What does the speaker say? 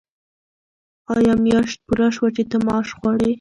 آیا میاشت پوره شوه چې ته معاش غواړې؟